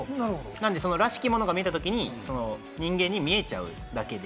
なので、らしきものが見えたときに、人間に見えちゃうだけで。